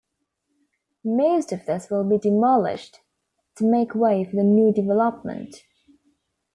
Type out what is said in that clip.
Most of this will be demolished to make way for the new development.